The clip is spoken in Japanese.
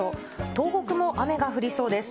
東北も雨が降りそうです。